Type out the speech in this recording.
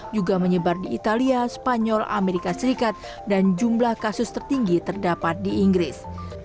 juga menyebar di italia spanyol amerika serikat dan jumlah kasus tertinggi terdapat di inggris